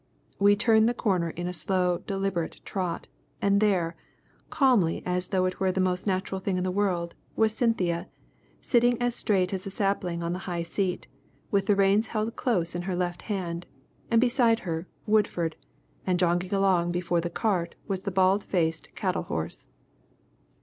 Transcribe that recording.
We turned the corner in a slow, deliberate trot, and there, as calmly as though it were the most natural thing in the world, was Cynthia, sitting as straight as a sapling on the high seat, with the reins held close in her left hand, and beside her Woodford, and jogging along before the cart was the bald faced cattle horse.